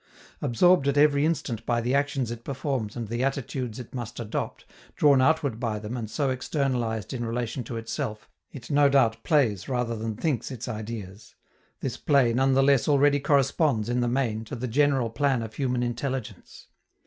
Absorbed at every instant by the actions it performs and the attitudes it must adopt, drawn outward by them and so externalized in relation to itself, it no doubt plays rather than thinks its ideas; this play none the less already corresponds, in the main, to the general plan of human intelligence.